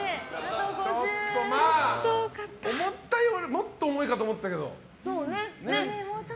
もっと重いかと思ったけど。